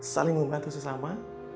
saling membantu sesama